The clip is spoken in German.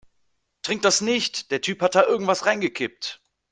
Trink das nicht, der Typ da hat irgendetwas reingekippt.